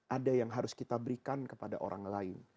ada yang harus kita berikan kepada orang lain